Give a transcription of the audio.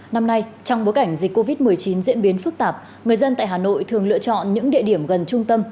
năm nay trong bối cảnh dịch covid một mươi chín diễn biến phức tạp người dân tại hà nội thường lựa chọn những địa điểm gần trung tâm